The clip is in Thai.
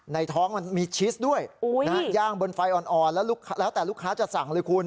ในท้องมันมีชีสด้วยย่างบนไฟอ่อนแล้วแล้วแต่ลูกค้าจะสั่งเลยคุณ